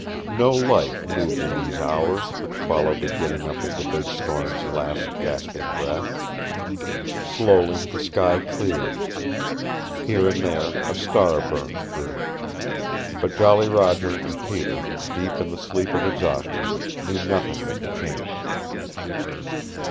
No life moved in these hours which followed the giving up of the big storm's last gasping breath. Slowly the sky cleared. Here and there a star burned through. But Jolly Roger and Peter, deep in the sleep of exhaustion, knew nothing of the change.